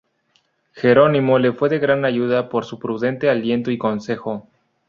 Jerónimo le fue de gran ayuda por su prudente aliento y consejo.